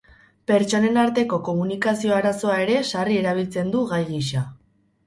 Pertsonen arteko komunikazio-arazoa ere sarri erabiltzen du gai gisa.